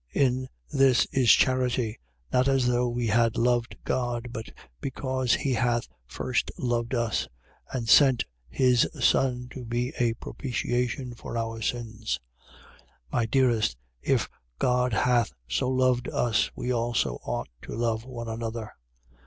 4:10. In this is charity: not as though we had loved God, but because he hath first loved us, and sent his Son to be a propitiation for our sins. 4:11. My dearest, if God hath so loved us, we also ought to love one another.